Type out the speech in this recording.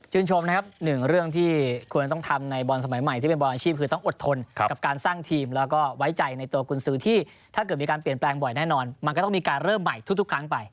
หนึ่งเรื่องที่ควรต้องทำในบอลสมัยใหม่ที่เป็นบอลอาชีพคือต้องอดทนกับการสร้างทีมแล้วก็ไว้ใจในตัวกุญสือที่ถ้าเกิดมีการเปลี่ยนแปลงบ่อยแน่นอนมันก็ต้องมีการเริ่มใหม่ทุกครั้งไป